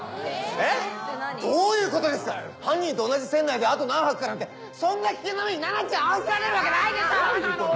えっ？どういうことですか⁉犯人と同じ船内であと何泊かなんてそんな危険な目に菜奈ちゃんを遭わせられるわけないでしょ‼